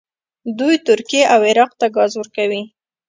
دوی ترکیې او عراق ته ګاز ورکوي.